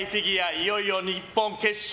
いよいよ日本決勝。